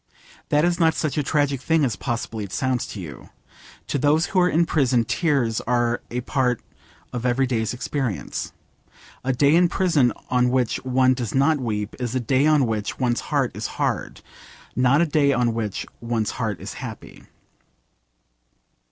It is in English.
That is not such a tragic thing as possibly it sounds to you. To those who are in prison tears are a part of every day's experience. A day in prison on which one does not weep is a day on which one's heart is hard, not a day on which one's heart is happy.